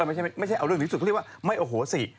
ไม่ใช่เอาเรื่องถึงที่สุดเขาเรียกว่าไม่โอโหสิ